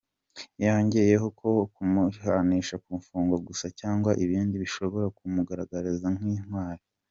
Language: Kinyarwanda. Yongeyeho ko kumuhanisha gufungwa gusa cyangwa ibindi bishobora kumugaragaza nk’intwari.